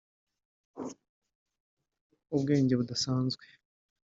ubwenge budasanzwe